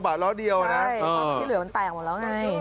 ใช่ที่เหลือมันแตกหมดแล้วไง